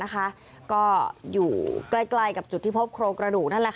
ก็อยู่ใกล้กับจุดที่พบโครงกระดูกนั่นแหละ